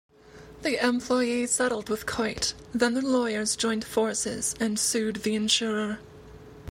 The employee settled with Coit; then their lawyers joined forces and sued the insurer.